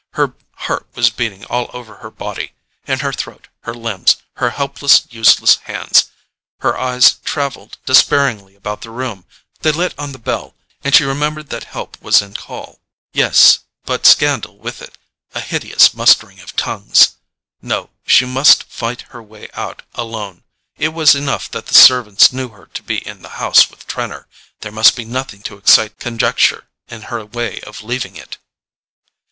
Her heart was beating all over her body—in her throat, her limbs, her helpless useless hands. Her eyes travelled despairingly about the room—they lit on the bell, and she remembered that help was in call. Yes, but scandal with it—a hideous mustering of tongues. No, she must fight her way out alone. It was enough that the servants knew her to be in the house with Trenor—there must be nothing to excite conjecture in her way of leaving it.